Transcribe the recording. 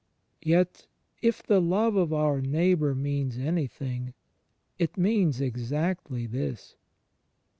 Yet, if the love of our neighbour means any thing, it means exactly this.